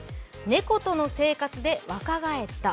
猫との生活で若返った。